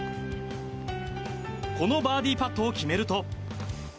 このバーディーパットを決めると。